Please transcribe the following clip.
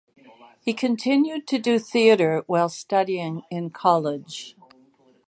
He continued to do theatre while studying in college.